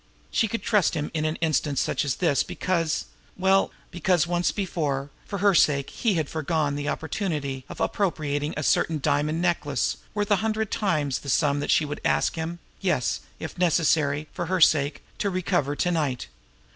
She could trust him in an instance such as this because well, because once before, for her sake he had foregone the opportunity of appropriating a certain diamond necklace worth a hundred times the sum that she would ask him yes, if necessary, for her sake to recover to night.